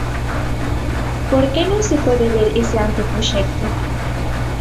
¿Por que non se pode ver ese anteproxecto?